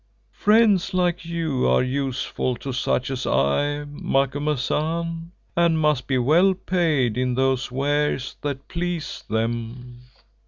Friends like you are useful to such as I, Macumazahn, and must be well paid in those wares that please them."